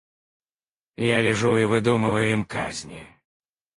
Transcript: Я лежу и выдумываю им казни.